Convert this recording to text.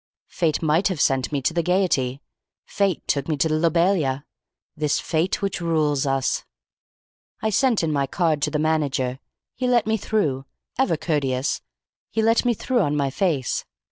Fate might have sent me to the Gaiety. Fate took me to the Lobelia. This Fate which rules us. "I sent in my card to the manager. He let me through. Ever courteous. He let me through on my face.